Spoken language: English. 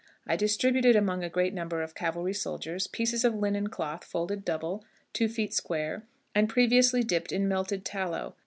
I distributed among a great number of cavalry soldiers pieces of linen cloth folded double, two feet square, and previously dipped in melted tallow.